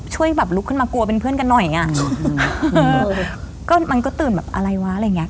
ช่วยแบบลุกขึ้นมากลัวเป็นเพื่อนกันหน่อยอ่ะเออก็มันก็ตื่นแบบอะไรวะอะไรอย่างเงี้